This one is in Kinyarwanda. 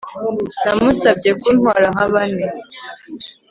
Namusabye kuntwara nka bane